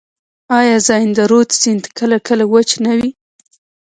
آیا زاینده رود سیند کله کله وچ نه وي؟